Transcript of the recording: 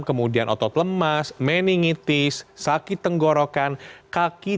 kemudian otot lemas meningitis sakit tenggorokan kaki